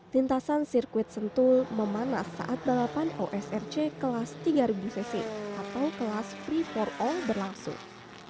tintasan sirkuit sentul memanas saat balapan osrc kelas tiga ribu cc atau kelas free for all berlangsung